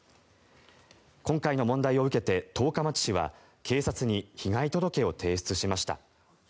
今回の問題を受けて十日町市は警察に被害届を提出しました。